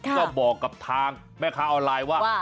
ก็บอกกับทางแม่ค้าออนไลน์ว่า